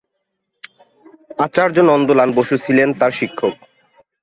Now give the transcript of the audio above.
আচার্য নন্দলাল বসু ছিলেন তার শিক্ষক।